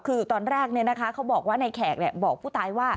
คือตอนแรกเนี่ยนะคะเขาบอกว่านายแขกเนี่ยบอกผู้ตายว่า